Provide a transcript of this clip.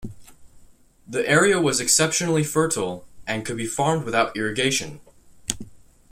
The area was exceptionally fertile and could be farmed without irrigation.